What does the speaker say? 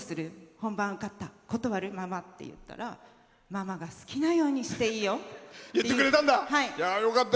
本番受かったら断る？ママ」って言ったら「ママが好きなようにしていいよ」って。